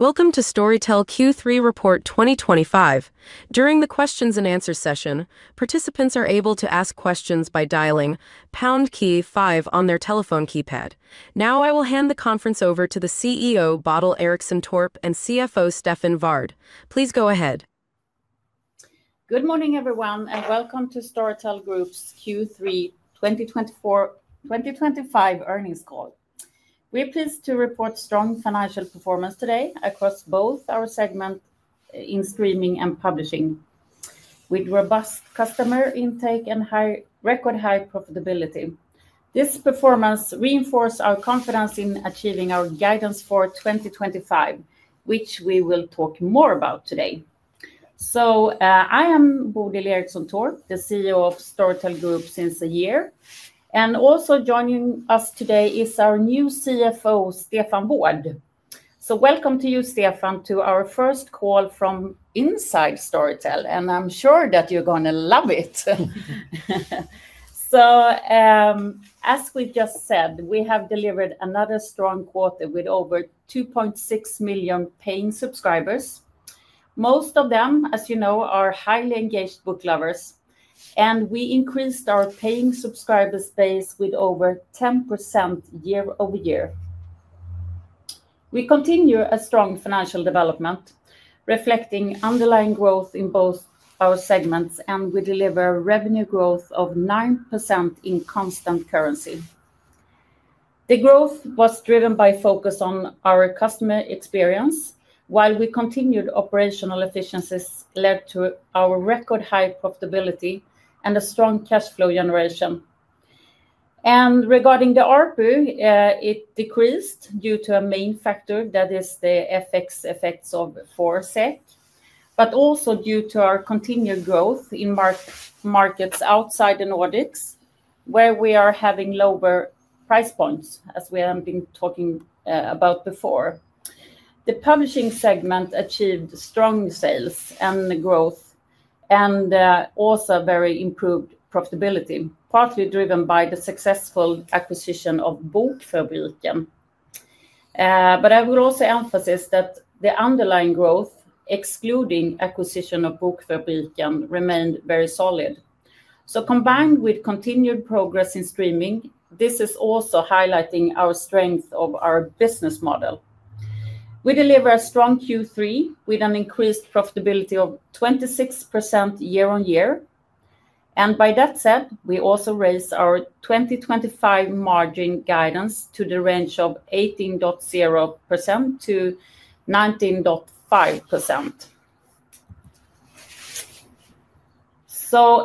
Welcome to Storytel Q3 report 2025. During the questions-and-answers session, participants are able to ask questions by dialing Pound key, five on their telephone keypad. Now, I will hand the conference over to the CEO, Bodil Ericsson Torp, and CFO, Stefan Wård. Please go ahead. Good morning, everyone, and welcome to Storytel Group's Q3 2024 earnings call. We are pleased to report strong financial performance today across both our segments in streaming and publishing, with robust customer intake and record-high profitability. This performance reinforces our confidence in achieving our guidance for 2025, which we will talk more about today. I am Bodil Ericsson Torp, the CEO of Storytel Group since a year, and also joining us today is our new CFO, Stefan Wård. Welcome to you, Stefan, to our first call from inside Storytel, and I'm sure that you're going to love it. As we just said, we have delivered another strong quarter with over 2.6 million paying subscribers. Most of them, as you know, are highly engaged book lovers, and we increased our paying subscribers' base with over 10% year-over-year. We continue a strong financial development, reflecting underlying growth in both our segments, and we deliver revenue growth of 9% in constant currency. The growth was driven by a focus on our customer experience, while we continued operational efficiencies led to our record-high profitability and a strong cash flow generation. Regarding the ARPU, it decreased due to a main factor, that is the FX effects of ForSec, but also due to our continued growth in markets outside the Nordics, where we are having lower price points, as we have been talking about before. The publishing segment achieved strong sales and growth, and also very improved profitability, partly driven by the successful acquisition of Bokfabriken. I will also emphasize that the underlying growth, excluding the acquisition of Bokfabriken, remained very solid. Combined with continued progress in streaming, this is also highlighting our strength of our business model. We delivered a strong Q3 with an increased profitability of 26% year-over-year, and by that said, we also raised our 2025 margin guidance to the range of 18.0%-19.5%.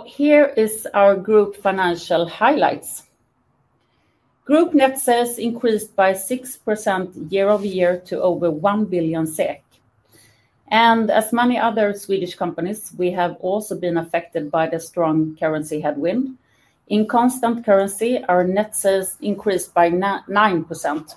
Here are our group financial highlights. Group net sales increased by 6% year-over-year to over 1 billion SEK. As many other Swedish companies, we have also been affected by the strong currency headwind. In constant currency, our net sales increased by 9%.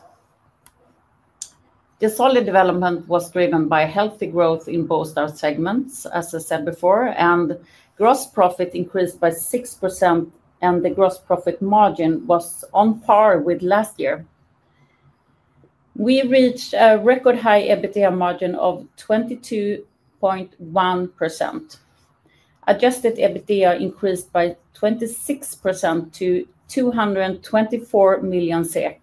The solid development was driven by healthy growth in both our segments, as I said before, and gross profit increased by 6%, and the gross profit margin was on par with last year. We reached a record-high EBITDA margin of 22.1%. Adjusted EBITDA increased by 26% to 224 million SEK.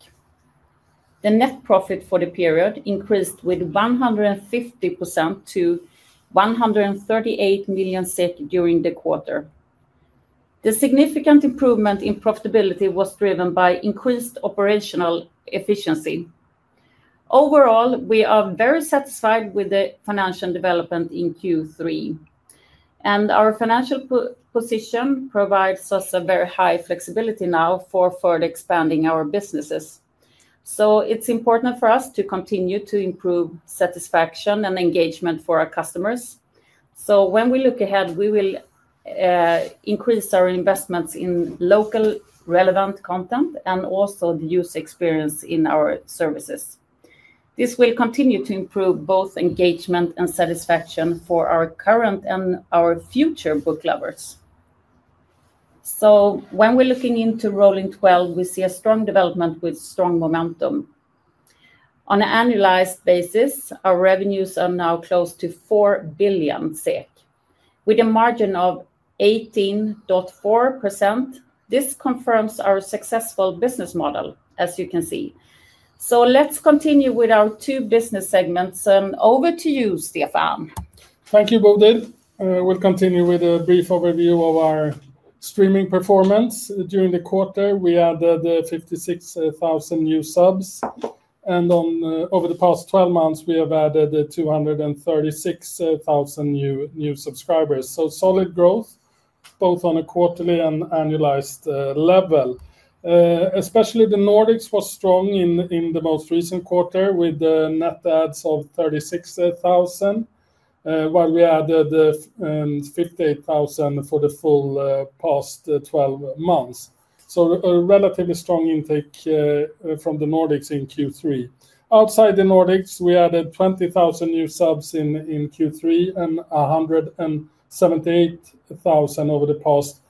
The net profit for the period increased by 150% to 138 million during the quarter. The significant improvement in profitability was driven by increased operational efficiency. Overall, we are very satisfied with the financial development in Q3, and our financial position provides us very high flexibility now for further expanding our businesses. It is important for us to continue to improve satisfaction and engagement for our customers. When we look ahead, we will increase our investments in local, relevant content and also the user experience in our services. This will continue to improve both engagement and satisfaction for our current and our future book lovers. When we're looking into rolling 12, we see a strong development with strong momentum. On an annualized basis, our revenues are now close to 4 billion SEK, with a margin of 18.4%. This confirms our successful business model, as you can see. Let's continue with our two business segments, and over to you, Stefan. Thank you, Bodil. We'll continue with a brief overview of our streaming performance. During the quarter, we added 56,000 new subs, and over the past 12 months, we have added 236,000 new subscribers. Solid growth both on a quarterly and annualized level. Especially the Nordics was strong in the most recent quarter, with net adds of 36,000, while we added 58,000 for the full past 12 months. A relatively strong intake from the Nordics in Q3. Outside the Nordics, we added 20,000 new subs in Q3 and 178,000 over the past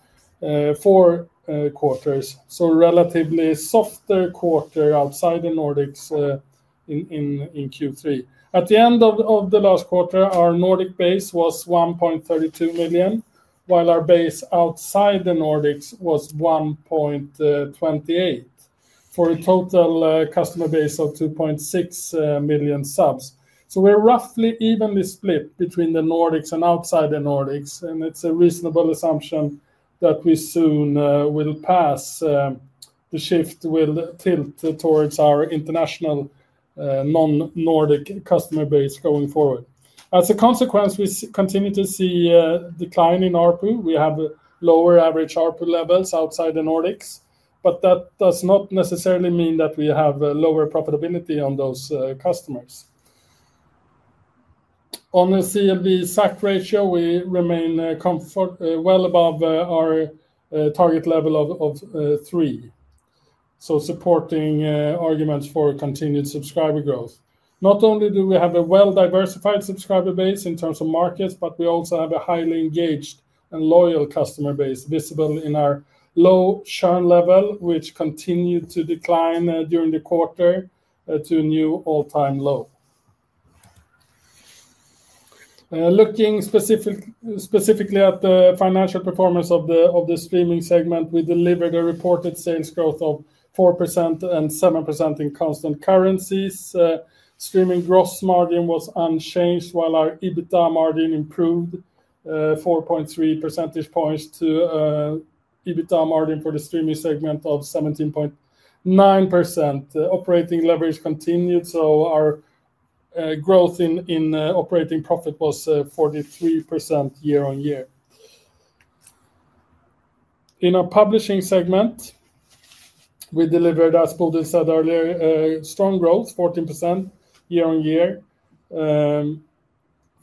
four quarters. A relatively softer quarter outside the Nordics in Q3. At the end of the last quarter, our Nordic base was 1.32 million, while our base outside the Nordics was 1.28 million, for a total customer base of 2.6 million subs. We're roughly evenly split between the Nordics and outside the Nordics, and it's a reasonable assumption that we soon will pass the shift and will tilt towards our international non-Nordic customer base going forward. As a consequence, we continue to see a decline in ARPU. We have lower average ARPU levels outside the Nordics, but that does not necessarily mean that we have lower profitability on those customers. On the CMV SAC ratio, we remain well above our target level of 3, supporting arguments for continued subscriber growth. Not only do we have a well-diversified subscriber base in terms of markets, but we also have a highly engaged and loyal customer base visible in our low churn level, which continued to decline during the quarter to a new all-time low. Looking specifically at the financial performance of the streaming segment, we delivered a reported sales growth of 4% and 7% in constant currencies. Streaming gross margin was unchanged, while our EBITDA margin improved 4.3 percentage points to an EBITDA margin for the streaming segment of 17.9%. Operating leverage continued, so our growth in operating profit was 43% year-on-year. In our publishing segment, we delivered, as Bodil said earlier, strong growth, 14% year-on-year,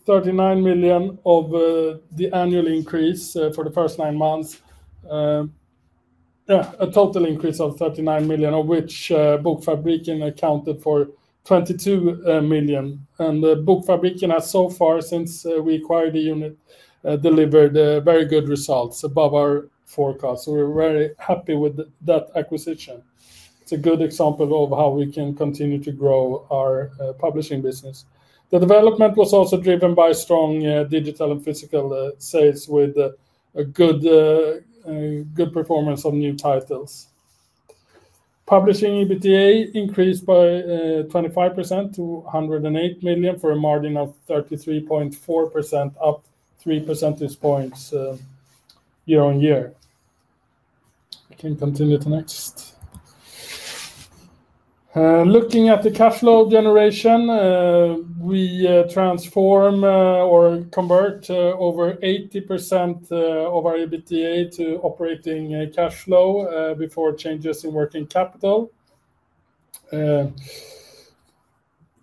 39 million of the annual increase for the first nine months, a total increase of 39 million, of which Bokfabriken accounted for 22 million. Bokfabriken has so far, since we acquired the unit, delivered very good results above our forecast, so we're very happy with that acquisition. It's a good example of how we can continue to grow our publishing business. The development was also driven by strong digital and physical sales, with a good performance on new titles. Publishing EBITDA increased by 25% to 108 million for a margin of 33.4%, up 3 percentage points year-on-year. We can continue to the next. Looking at the cash flow generation, we transform or convert over 80% of our EBITDA to operating cash flow before changes in working capital.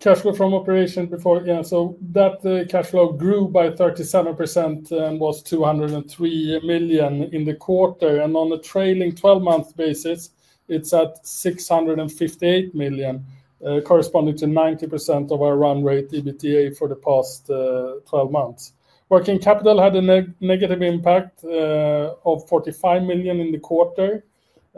Cash flow from operation before, yeah, so that cash flow grew by 37% and was 203 million in the quarter. On a trailing 12-month basis, it's at 658 million, corresponding to 90% of our run rate EBITDA for the past 12 months. Working capital had a negative impact of 45 million in the quarter.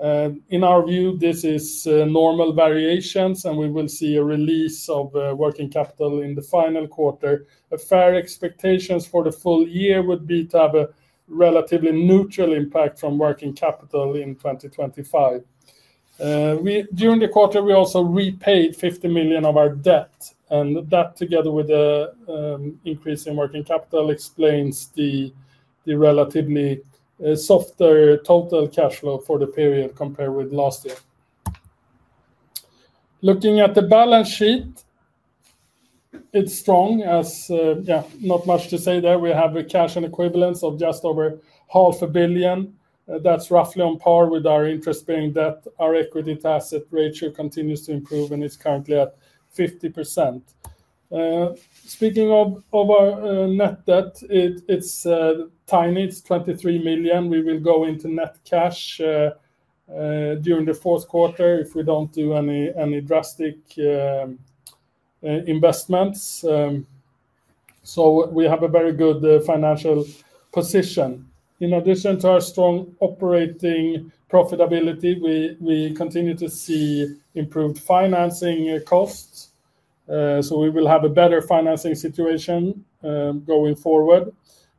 In our view, this is normal variations, and we will see a release of working capital in the final quarter. Fair expectations for the full year would be to have a relatively neutral impact from working capital in 2025. During the quarter, we also repaid 50 million of our debt, and that, together with an increase in working capital, explains the relatively softer total cash flow for the period compared with last year. Looking at the balance sheet, it's strong. Not much to say there. We have cash and equivalents of just over half a billion. That's roughly on par with our interest-paying debt. Our equity-to-asset ratio continues to improve, and it's currently at 50%. Speaking of our net debt, it's tiny. It's 23 million. We will go into net cash during the fourth quarter if we don't do any drastic investments. We have a very good financial position. In addition to our strong operating profitability, we continue to see improved financing costs, so we will have a better financing situation going forward.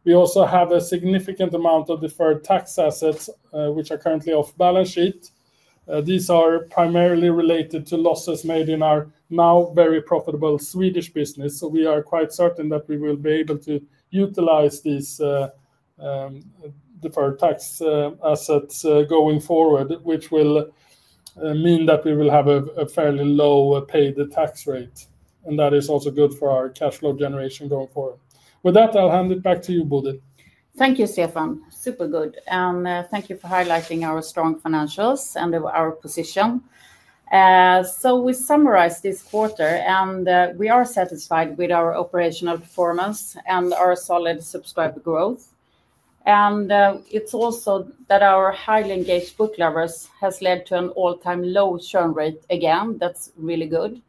We also have a significant amount of deferred tax assets, which are currently off balance sheet. These are primarily related to losses made in our now very profitable Swedish business, so we are quite certain that we will be able to utilize these deferred tax assets going forward, which will mean that we will have a fairly low paid tax rate, and that is also good for our cash flow generation going forward. With that, I'll hand it back to you, Bodil. Thank you, Stefan. Super good. Thank you for highlighting our strong financials and our position. We summarized this quarter, and we are satisfied with our operational performance and our solid subscriber growth. It's also that our highly engaged book lovers have led to an all-time low churn rate again. That's really good.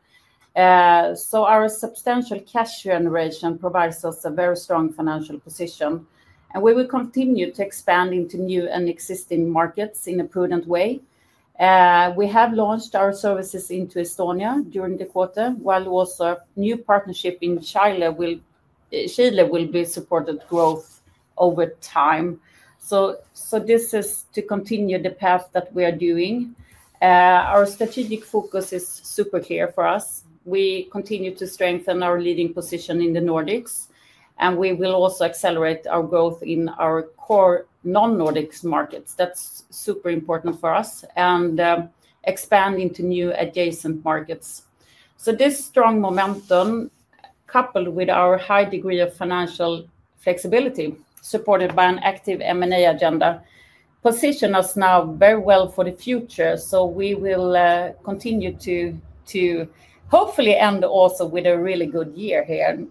Our substantial cash generation provides us a very strong financial position, and we will continue to expand into new and existing markets in a prudent way. We have launched our services into Estonia during the quarter, while also a new partnership in Chile will be supporting growth over time. This is to continue the path that we are doing. Our strategic focus is super clear for us. We continue to strengthen our leading position in the Nordics, and we will also accelerate our growth in our core non-Nordics markets. That's super important for us, and expand into new adjacent markets. This strong momentum, coupled with our high degree of financial flexibility, supported by an active M&A agenda, positions us now very well for the future. We will continue to hopefully end also with a really good year here.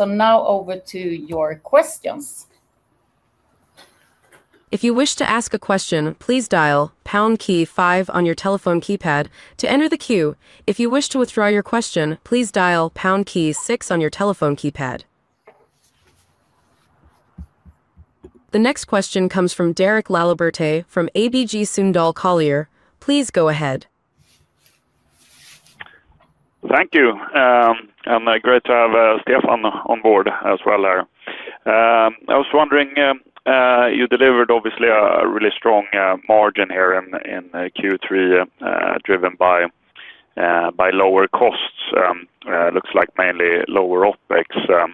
Now over to your questions. If you wish to ask a question, please dial pound key five on your telephone keypad to enter the queue. If you wish to withdraw your question, please dial pound key, six on your telephone keypad. The next question comes from Derek Laliberté from ABG Sundal Collier. Please go ahead. Thank you. Great to have Stefan on board as well here. I was wondering, you delivered obviously a really strong margin here in Q3, driven by lower costs. Looks like mainly lower OpEx.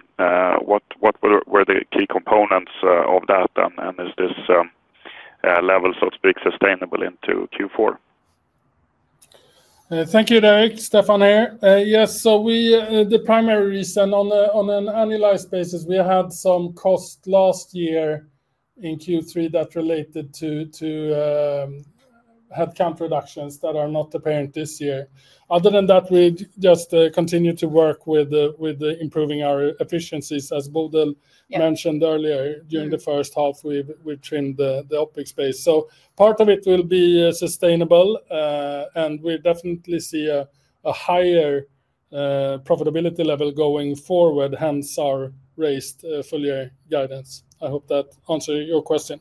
What were the key components of that, and is this level, so to speak, sustainable into Q4? Thank you, Derek. Stefan here. Yes, the primary reason on an annualized basis, we had some costs last year in Q3 that related to headcount reductions that are not apparent this year. Other than that, we just continue to work with improving our efficiencies. As Bodil mentioned earlier, during the first half, we trimmed the OpEx base. Part of it will be sustainable, and we definitely see a higher profitability level going forward, hence our raised full-year guidance. I hope that answered your question.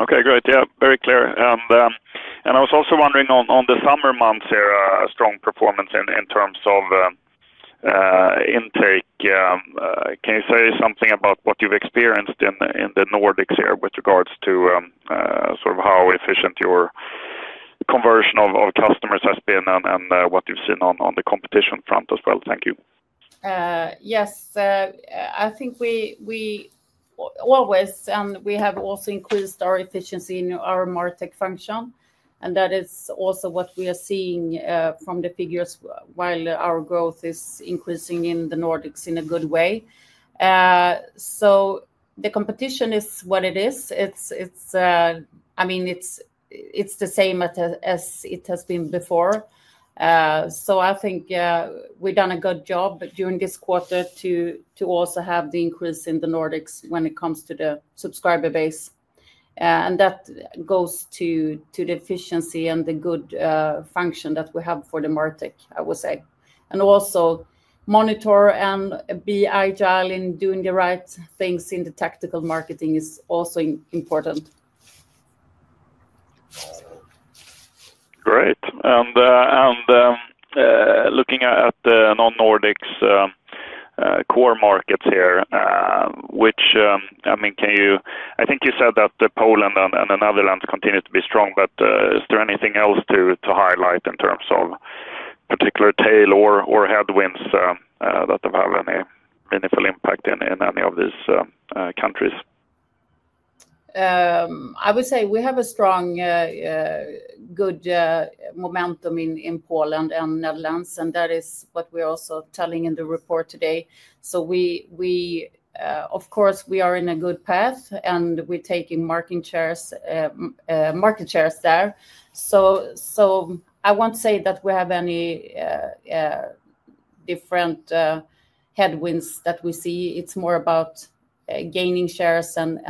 Okay, great. Yeah, very clear. I was also wondering on the summer months here, strong performance in terms of intake. Can you say something about what you've experienced in the Nordics here with regards to sort of how efficient your conversion of customers has been and what you've seen on the competition front as well? Thank you. Yes, I think we always, and we have also increased our efficiency in our martech function, and that is also what we are seeing from the figures, while our growth is increasing in the Nordics in a good way. The competition is what it is. I mean, it's the same as it has been before. I think we've done a good job during this quarter to also have the increase in the Nordics when it comes to the subscriber base. That goes to the efficiency and the good function that we have for the martech, I would say. Also, monitor and be agile in doing the right things in the tactical marketing is also important. Great. Looking at non-Nordics core markets here, I think you said that Poland and the Netherlands continue to be strong, but is there anything else to highlight in terms of particular tail or headwinds that have had any meaningful impact in any of these countries? I would say we have a strong, good momentum in Poland and the Netherlands, and that is what we're also telling in the report today. Of course, we are in a good path, and we're taking market shares there. I won't say that we have any different headwinds that we see. It's more about gaining shares and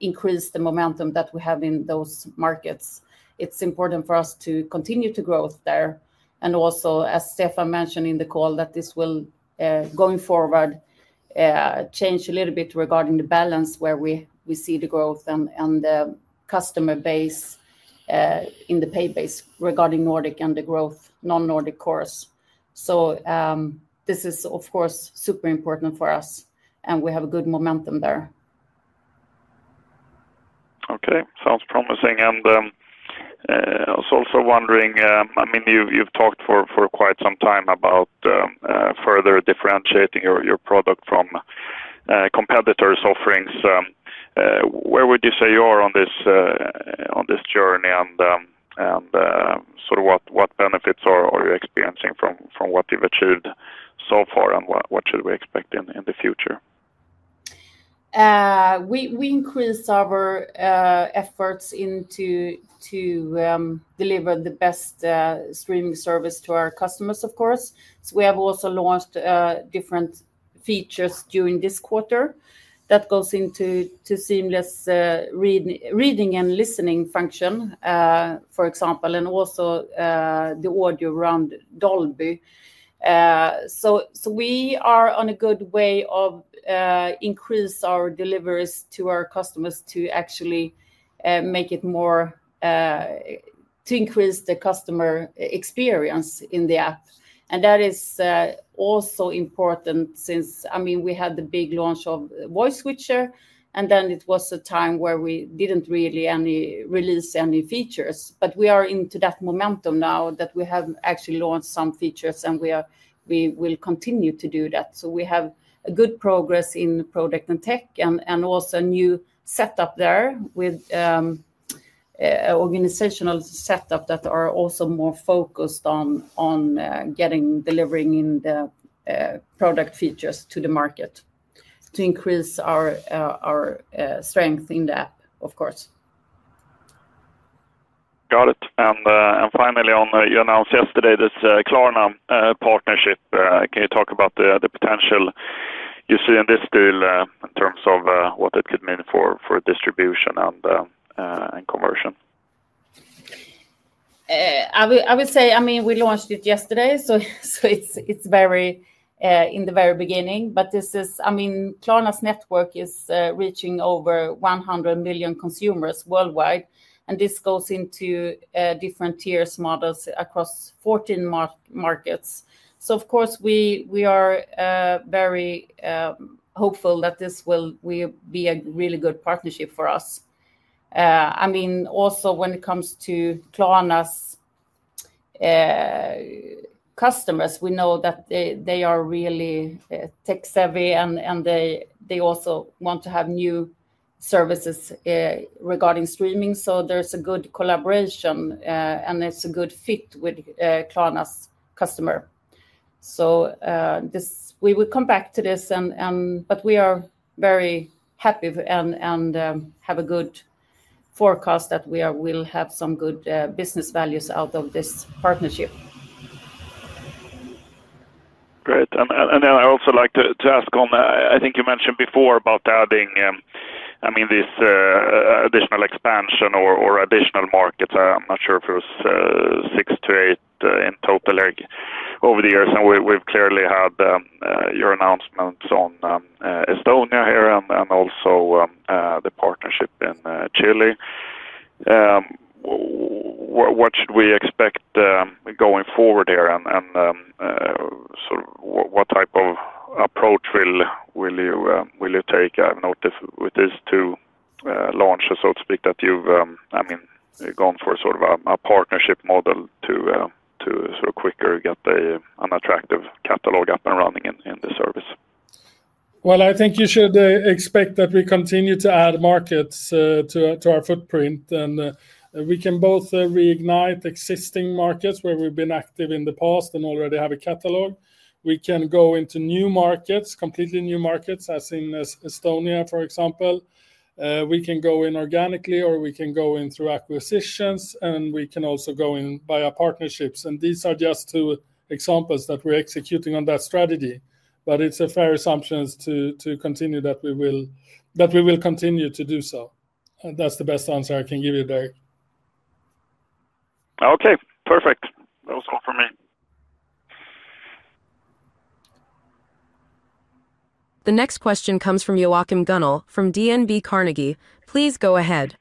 increasing the momentum that we have in those markets. It's important for us to continue to grow there. Also, as Stefan mentioned in the call, this will, going forward, change a little bit regarding the balance where we see the growth and the customer base in the pay base regarding Nordic and the growth non-Nordic course. This is, of course, super important for us, and we have a good momentum there. Okay, sounds promising. I was also wondering, I mean, you've talked for quite some time about further differentiating your product from competitors' offerings. Where would you say you are on this journey? What benefits are you experiencing from what you've achieved so far, and what should we expect in the future? We increased our efforts to deliver the best streaming service to our customers, of course. We have also launched different features during this quarter that go into seamless reading and listening function, for example, and also the audio around Dolby. We are on a good way of increasing our deliveries to our customers to actually make it more to increase the customer experience in the app. That is also important since, I mean, we had the big launch of VoiceSwitcher, and then it was a time where we didn't really release any features. We are into that momentum now that we have actually launched some features, and we will continue to do that. We have good progress in product and tech, and also a new setup there with organizational setup that are also more focused on delivering the product features to the market to increase our strength in the app, of course. Got it. Finally, you announced yesterday this Klarna partnership. Can you talk about the potential you see in this deal in terms of what it could mean for distribution and conversion? I would say, I mean, we launched it yesterday, so it's in the very beginning. This is, I mean, Klarna's network is reaching over 100 million consumers worldwide, and this goes into different tiers models across 14 markets. Of course, we are very hopeful that this will be a really good partnership for us. I mean, also, when it comes to Klarna's customers, we know that they are really tech-savvy, and they also want to have new services regarding streaming. There's a good collaboration, and it's a good fit with Klarna's customer. We will come back to this, but we are very happy and have a good forecast that we will have some good business values out of this partnership. Great. I'd also like to ask on that. I think you mentioned before about adding this additional expansion or additional markets. I'm not sure if it was six to eight in total over the years, and we've clearly had your announcements on Estonia and also the partnership in Chile. What should we expect going forward, and sort of what type of approach will you take? I've noticed with these two launches that you've gone for a partnership model to quicker get an attractive catalog up and running in the service. I think you should expect that we continue to add markets to our footprint, and we can both reignite existing markets where we've been active in the past and already have a catalog. We can go into new markets, completely new markets, as in Estonia, for example. We can go in organically, or we can go in through acquisitions, and we can also go in via partnerships. These are just two examples that we're executing on that strategy. It's a fair assumption to continue that we will continue to do so. That's the best answer I can give you, Derek. Okay, perfect. That was all for me. The next question comes from Joakim Gunell from DNB Carnegie. Please go ahead.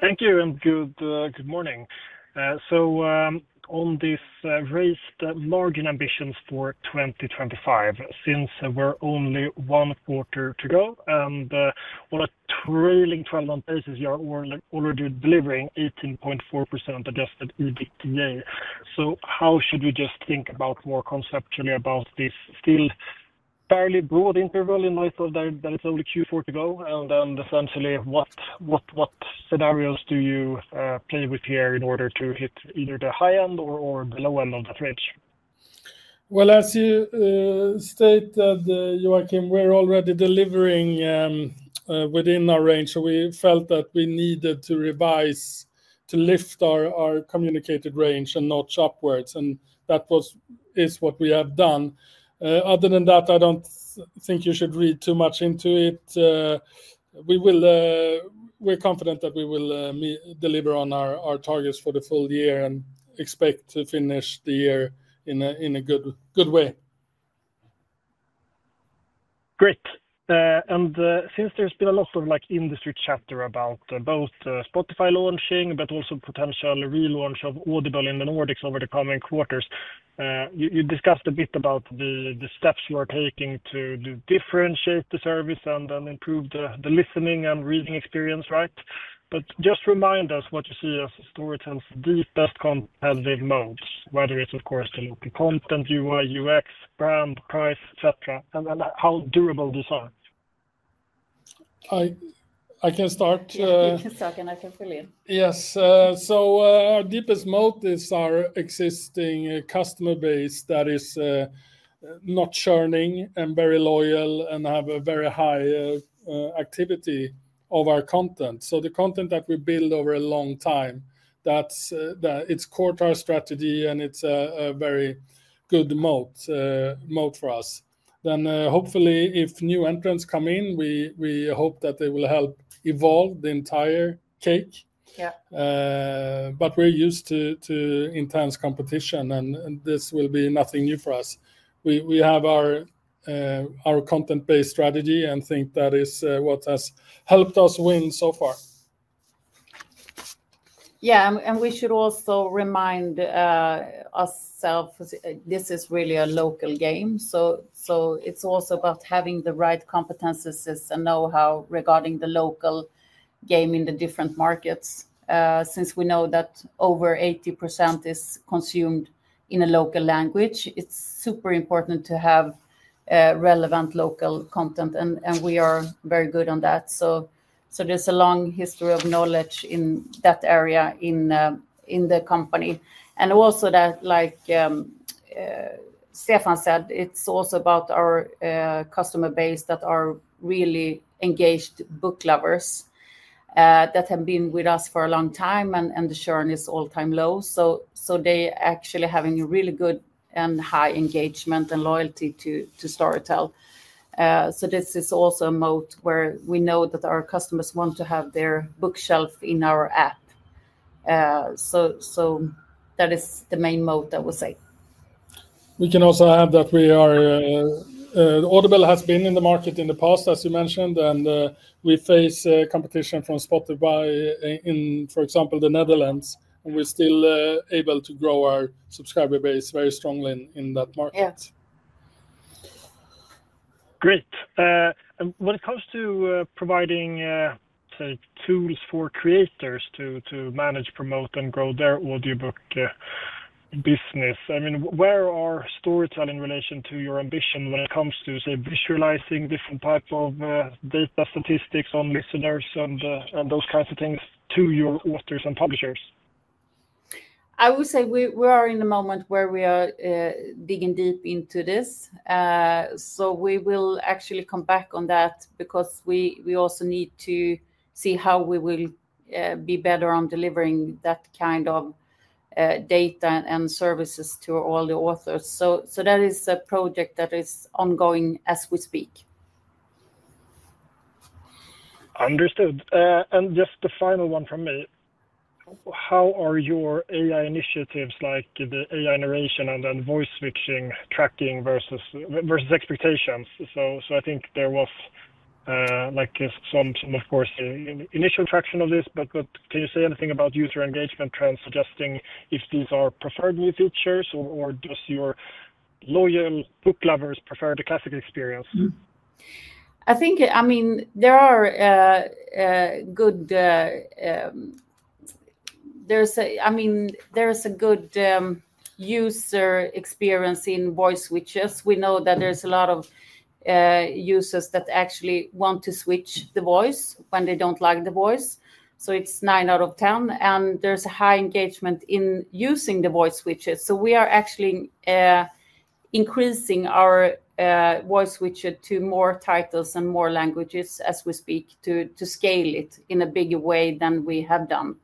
Thank you, and good morning. On these raised margin ambitions for 2025, since we're only one quarter to go, and on a trailing 12-month basis, you're already delivering 18.4% adjusted EBITDA. How should we just think more conceptually about this still fairly broad interval? I thought that it's only Q4 to go, and essentially, what scenarios do you play with here in order to hit either the high end or the low end of that range? As you stated, Joakim, we're already delivering within our range, so we felt that we needed to revise, to lift our communicated range a notch upwards, and that is what we have done. Other than that, I don't think you should read too much into it. We're confident that we will deliver on our targets for the full year and expect to finish the year in a good way. Great. Since there's been a lot of industry chatter about both Spotify launching, but also potential relaunch of Audible in the Nordics over the coming quarters, you discussed a bit about the steps you are taking to differentiate the service and then improve the listening and reading experience, right? Just remind us what you see as Storytel's deepest competitive moats, whether it's, of course, the local content, UI/UX, brand, price, etc., and how durable these are. I can start. You can start, and I can fill in. Yes. Our deepest moat is our existing customer base that is not churning and very loyal and have a very high activity of our content. The content that we build over a long time, that's its core to our strategy, and it's a very good moat for us. Hopefully, if new entrants come in, we hope that they will help evolve the entire cake. Yeah. We are used to intense competition, and this will be nothing new for us. We have our content-based strategy, and think that is what has helped us win so far. Yeah, and we should also remind ourselves this is really a local game, so it's also about having the right competencies and know-how regarding the local game in the different markets. Since we know that over 80% is consumed in a local language, it's super important to have relevant local content, and we are very good on that. There's a long history of knowledge in that area in the company. Also, like Stefan said, it's about our customer base that are really engaged book lovers that have been with us for a long time, and the churn is all-time low. They are actually having really good and high engagement and loyalty to Storytel. This is also a mode where we know that our customers want to have their bookshelf in our app. That is the main mode, I would say. We can also add that Audible has been in the market in the past, as you mentioned, and we face competition from Spotify in, for example, the Netherlands, and we're still able to grow our subscriber base very strongly in that market. Great. When it comes to providing tools for creators to manage, promote, and grow their audiobook business, where are Storytel in relation to your ambition when it comes to, say, visualizing different types of data statistics on listeners and those kinds of things to your authors and publishers? I would say we are in a moment where we are digging deep into this. We will actually come back on that because we also need to see how we will be better on delivering that kind of data and services to all the authors. That is a project that is ongoing as we speak. Understood. Just the final one from me. How are your AI initiatives, like the AI narration and Voice Switcher, tracking versus expectations? I think there was some, of course, initial traction of this, but can you say anything about user engagement trends suggesting if these are preferred new features, or does your loyal book lovers prefer the classic experience? I think there are good, I mean, there's a good user experience in voice switches. We know that there's a lot of users that actually want to switch the voice when they don't like the voice. It's nine out of 10, and there's a high engagement in using the voice switches. We are actually increasing our Voice Switcher to more titles and more languages as we speak to scale it in a bigger way than we have done.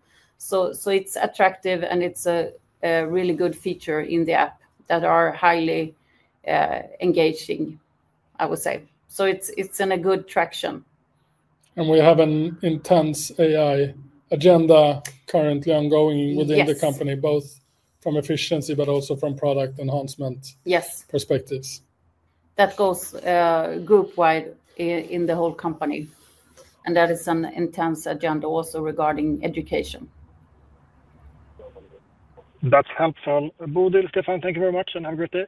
It's attractive, and it's a really good feature in the app that is highly engaging, I would say. It's in a good traction. We have an intense AI agenda currently ongoing within the company, both from efficiency but also from product enhancement perspectives. Yes, that goes group-wide in the whole company, and that is an intense agenda also regarding education. That's helpful. Bodil, Stefan, thank you very much, and have a great day.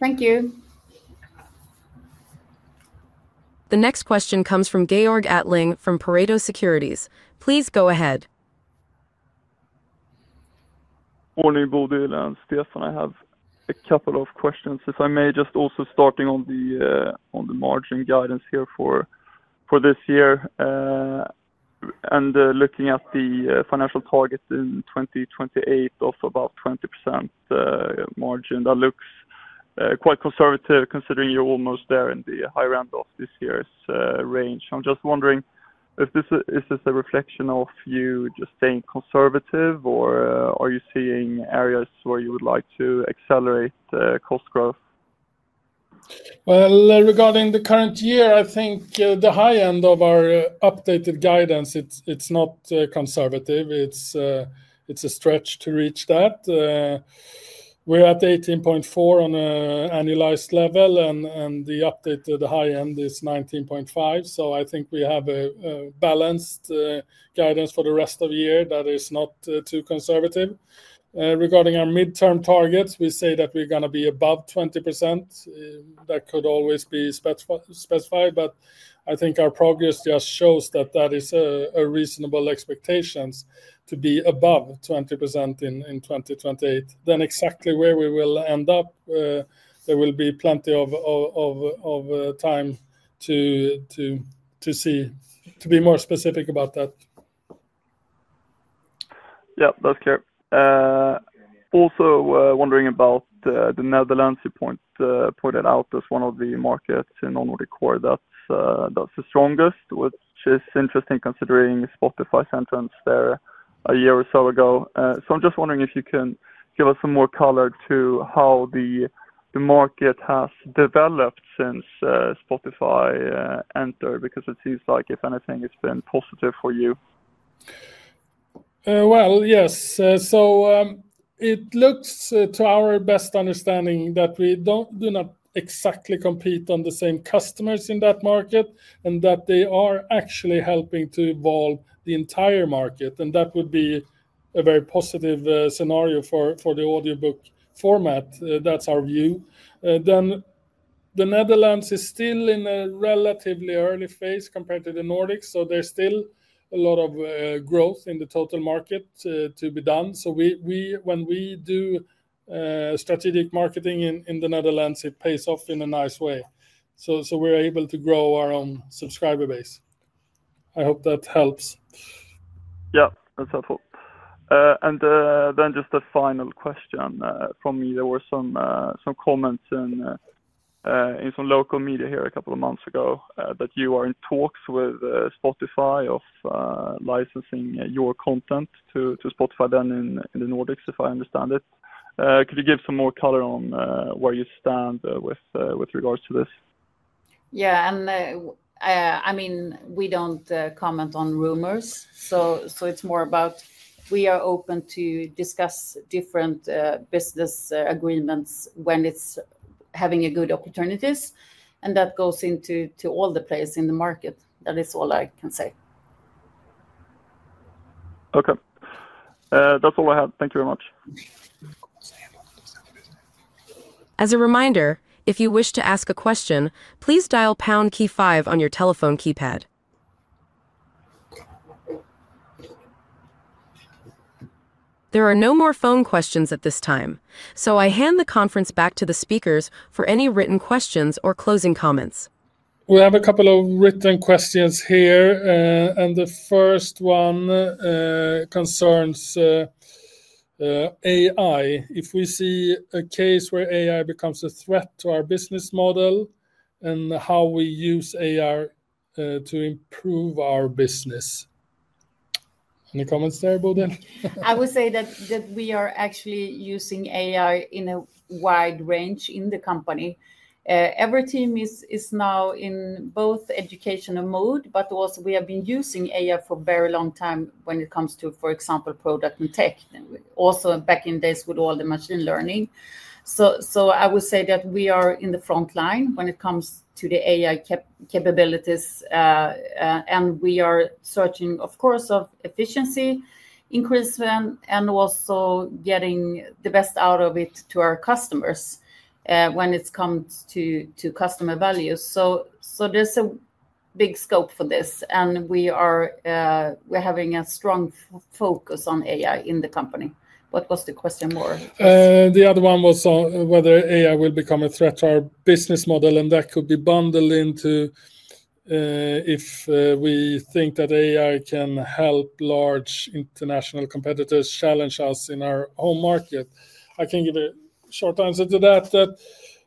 Thank you. The next question comes from Georg Attling from Pareto Securities. Please go ahead. Morning, Bodil and Stefan. I have a couple of questions, if I may, just also starting on the margin guidance here for this year and looking at the financial targets in 2028 of about 20% margin. That looks quite conservative considering you're almost there in the higher end of this year's range. I'm just wondering, is this a reflection of you just staying conservative, or are you seeing areas where you would like to accelerate cost growth? Regarding the current year, I think the high end of our updated guidance is not conservative. It's a stretch to reach that. We're at 18.4% on an annualized level, and the updated high end is 19.5%. I think we have a balanced guidance for the rest of the year that is not too conservative. Regarding our mid-term targets, we say that we're going to be above 20%. That could always be specified, but I think our progress just shows that is a reasonable expectation to be above 20% in 2028. Exactly where we will end up, there will be plenty of time to see, to be more specific about that. Yeah, that's clear. Also, wondering about the Netherlands. You pointed out as one of the markets in the Nordic core that's the strongest, which is interesting considering Spotify's entrance there a year or so ago. I'm just wondering if you can give us some more color to how the market has developed since Spotify entered because it seems like, if anything, it's been positive for you. It looks, to our best understanding, that we do not exactly compete on the same customers in that market and that they are actually helping to evolve the entire market, and that would be a very positive scenario for the audiobook format. That's our view. The Netherlands is still in a relatively early phase compared to the Nordics, so there's still a lot of growth in the total market to be done. When we do strategic marketing in the Netherlands, it pays off in a nice way. We're able to grow our own subscriber base. I hope that helps. Yeah, that's helpful. Just a final question from me. There were some comments in some local media here a couple of months ago that you are in talks with Spotify about licensing your content to Spotify in the Nordics, if I understand it. Could you give some more color on where you stand with regards to this? Yeah, I mean, we don't comment on rumors. It's more about we are open to discuss different business agreements when it's having good opportunities, and that goes into all the players in the market. That is all I can say. Okay, that's all I have. Thank you very much. As a reminder, if you wish to ask a question, please dial pound key, five on your telephone keypad. There are no more phone questions at this time, so I hand the conference back to the speakers for any written questions or closing comments. We have a couple of written questions here. The first one concerns AI, if we see a case where AI becomes a threat to our business model and how we use AI to improve our business. Any comments there, Bodil? I would say that we are actually using AI in a wide range in the company. Every team is now in both educational mode, but also we have been using AI for a very long time when it comes to, for example, product and tech, also back in the days with all the machine learning. I would say that we are in the front line when it comes to the AI capabilities, and we are searching, of course, for efficiency increase and also getting the best out of it to our customers when it comes to customer value. There is a big scope for this, and we're having a strong focus on AI in the company. What was the question more? The other one was whether AI will become a threat to our business model, and that could be bundled into if we think that AI can help large international competitors challenge us in our home market. I can give a short answer to that, that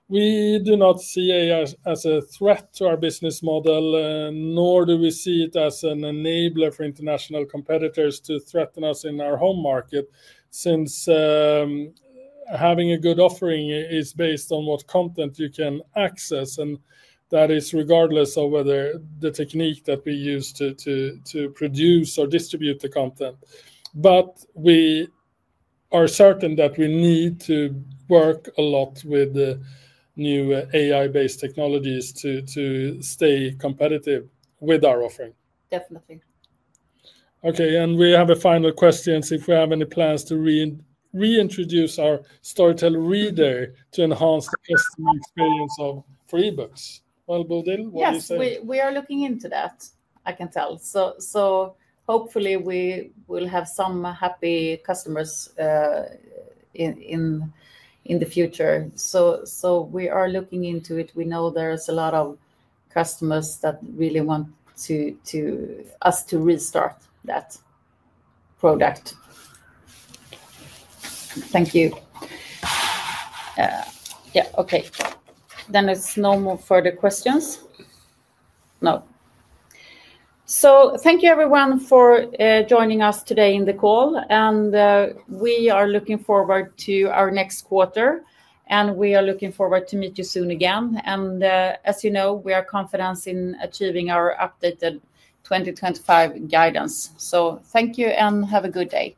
we do not see AI as a threat to our business model, nor do we see it as an enabler for international competitors to threaten us in our home market, since having a good offering is based on what content you can access, and that is regardless of whether the technique that we use to produce or distribute the content. We are certain that we need to work a lot with the new AI-based technologies to stay competitive with our offering. Definitely. Okay, we have a final question. If we have any plans to reintroduce our Storytel Reader to enhance the customer experience for e-books. Bodil, what do you say? Yes, we are looking into that, I can tell. Hopefully, we will have some happy customers in the future. We are looking into it. We know there are a lot of customers that really want us to restart that product. Thank you. Okay, there's no more further questions. No. Thank you, everyone, for joining us today in the call. We are looking forward to our next quarter, and we are looking forward to meeting you soon again. As you know, we are confident in achieving our updated 2025 guidance. Thank you, and have a good day.